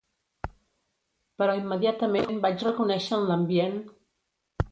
Però immediatament vaig reconèixer en l'ambient...